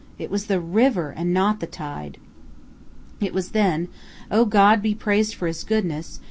It was the river, and not the tide! It was then O God be praised for his goodness!